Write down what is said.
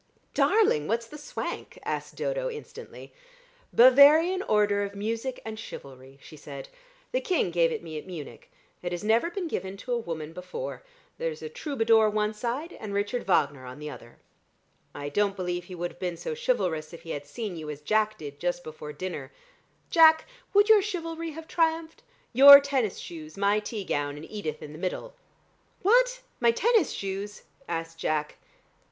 "Darling, what's that swank?" asked Dodo instantly. "Bavarian Order of Music and Chivalry," she said. "The King gave it me at Munich. It has never been given to a woman before. There's a troubadour one side, and Richard Wagner on the other." "I don't believe he would have been so chivalrous if he had seen you as Jack did just before dinner. Jack, would your chivalry have triumphed? Your tennis shoes, my tea gown, and Edith in the middle." "What! My tennis shoes?" asked Jack.